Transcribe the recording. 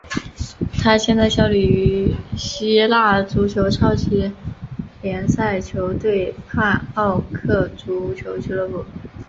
他现在效力于希腊足球超级联赛球队帕奥克足球俱乐部。